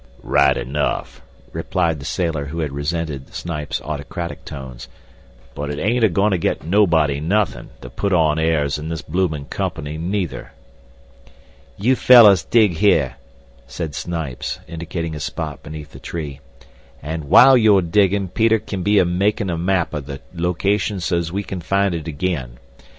"Right enough," replied the sailor who had resented Snipes' autocratic tones; "but it ain't a goin' to get nobody nothin' to put on airs in this bloomin' company neither." "You fellows dig here," said Snipes, indicating a spot beneath the tree. "And while you're diggin', Peter kin be a makin' of a map of the location so's we kin find it again.